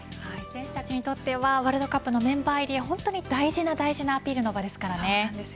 選手たちにとってはワールドカップのメンバー入り本当に大事に大事なアピールの場ですからね。